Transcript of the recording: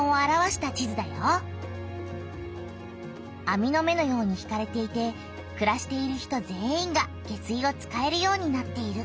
あみの目のように引かれていてくらしている人全員が下水を使えるようになっている。